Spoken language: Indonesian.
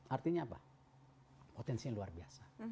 artinya apa potensinya luar biasa